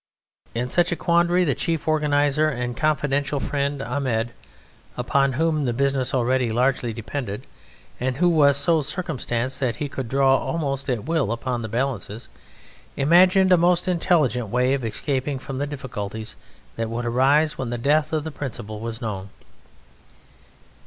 In such a quandary the Chief Organizer and confidential friend, Ahmed, upon whom the business already largely depended, and who was so circumstanced that he could draw almost at will upon the balances, imagined a most intelligent way of escaping from the difficulties that would arise when the death of the principal was known.